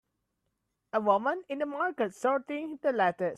A woman in a market sorting the lettuce.